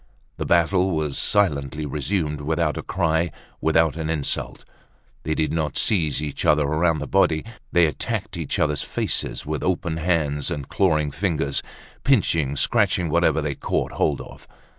The battle was silently resumed, without a cry, without an insult. They did not seize each other round the body, they attacked each other's faces with open hands and clawing fingers, pinching, scratching whatever they caught hold of.